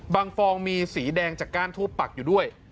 ฟองมีสีแดงจากก้านทูปปักอยู่ด้วย